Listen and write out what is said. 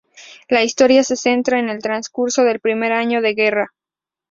La historia se centra en el transcurso del primer año de guerra.